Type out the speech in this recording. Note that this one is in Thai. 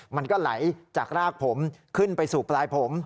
มันก็ไหลจากรากผมขึ้นไปสู่ปลายผม